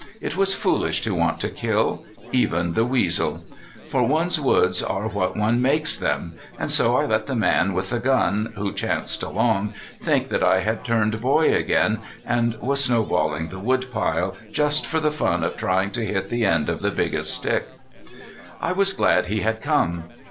It was foolish to want to kill—even the weasel. For one's woods are what one makes them, and so I let the man with the gun, who chanced along, think that I had turned boy again, and was snowballing the woodpile, just for the fun of trying to hit the end of the biggest stick. I was glad he had come.